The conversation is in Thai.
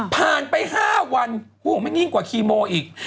ผ่านไป๕วันมันยิ่งกว่าคีโมอีก